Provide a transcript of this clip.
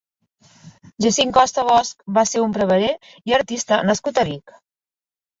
Jacint Costa Bosch va ser un prevere i artista nascut a Vic.